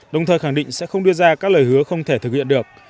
đồng thời khẳng định sẽ không đưa ra các lời hứa không thể thực hiện được